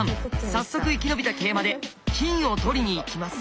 早速生き延びた桂馬で金を取りにいきます。